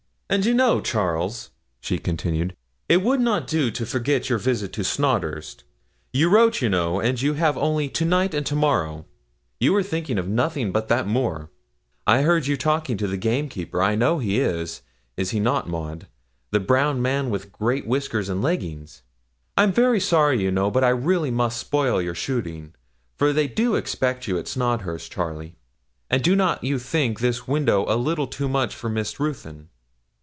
'And you know, Charles,' she continued, 'it would not do to forget your visit to Snodhurst; you wrote, you know, and you have only to night and to morrow. You are thinking of nothing but that moor; I heard you talking to the gamekeeper; I know he is is not he, Maud, the brown man with great whiskers, and leggings? I'm very sorry, you know, but I really must spoil your shooting, for they do expect you at Snodhurst, Charlie; and do not you think this window a little too much for Miss Ruthyn?